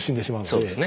そうですね。